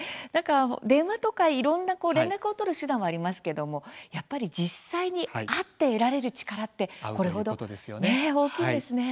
電話とか、いろんな連絡を取る手段はありますがやっぱり実際に会って得られる力って大きいですね。